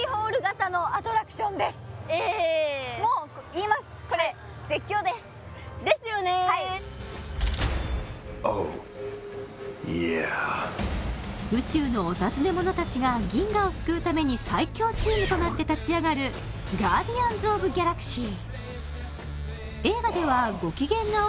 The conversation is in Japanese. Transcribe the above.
もう言いますこれですよねはいＯｈｙｅａｈ宇宙のお尋ね者たちが銀河を救うために最凶チームとなって立ち上がる「ガーディアンズ・オブ・ギャラクシー」